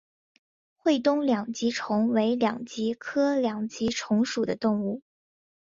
会东两极虫为两极科两极虫属的动物。